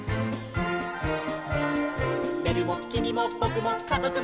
「べるもきみもぼくもかぞくも」